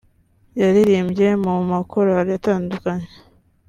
yaririmbye mu makorali atandukanye